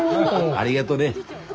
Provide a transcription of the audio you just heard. ありがどね。